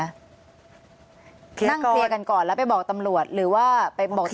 นั่งเคลียร์กันก่อนแล้วไปบอกตำรวจหรือว่าไปบอก